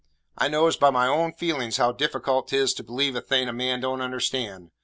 I knows by my own feelin's how difficult 'tis to believe a thing a man don't understand.